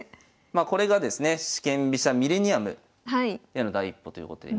これがですね四間飛車ミレニアムへの第一歩ということで。